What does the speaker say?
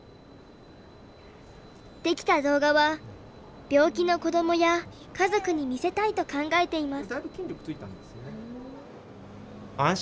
出来た動画は病気の子どもや家族に見せたいと考えています。